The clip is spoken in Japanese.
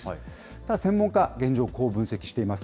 ただ専門家は、現状をこう分析しています。